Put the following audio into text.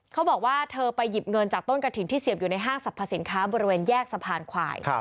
เขาบอกว่าเธอไปหยิบเงินจากต้นกระถิ่นที่เสียบอยู่ในห้างสรรพสินค้าบริเวณแยกสะพานควาย